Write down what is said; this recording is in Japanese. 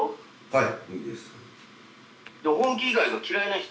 はい。